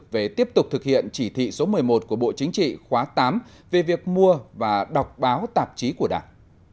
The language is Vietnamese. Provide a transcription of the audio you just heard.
về tiếp tục thực hiện chỉ thị số một mươi một của bộ chính trị khóa tám về việc mua và đọc báo tạp chí của đảng